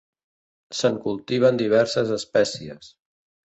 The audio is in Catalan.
Se'n cultiven diverses espècies.